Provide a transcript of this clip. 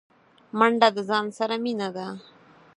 منډه د ځان سره مینه ده